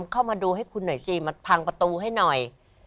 เข้ามาดูให้คุณหน่อยสิมาพังประตูให้หน่อย